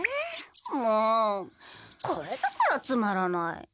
もうこれだからつまらない。